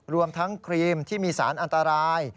รวมทั้งครีมที่มีสารอันตราย